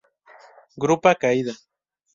Grupa caída.